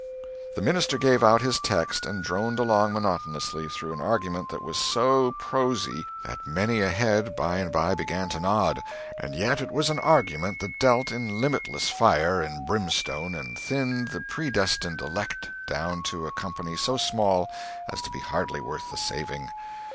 The minister gave out his text and droned along monotonously through an argument that was so prosy that many a head by and by began to nod—and yet it was an argument that dealt in limitless fire and brimstone and thinned the predestined elect down to a company so small as to be hardly worth the saving.